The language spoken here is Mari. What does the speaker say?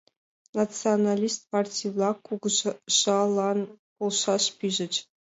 Националист партий-влакат кугыжалан полшаш пижыч.